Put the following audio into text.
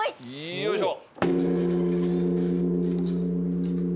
よいしょ。